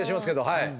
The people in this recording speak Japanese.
はい。